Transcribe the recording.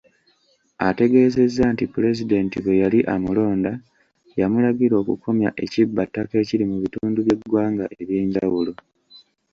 Ategeezezza nti Pulezidenti bwe yali amulonda yamulagira okukomya ekibbattaka ekiri mu bitundu by'eggwanga eby'enjawulo.